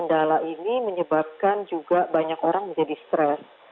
jadi kendala ini menyebabkan juga banyak orang menjadi stres